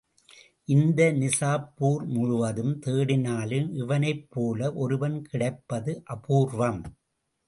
இந்த நிசாப்பூர் முழுவதும் தேடினாலும் இவனைபோல ஒருவன் கிடைப்பது அபூர்வம்.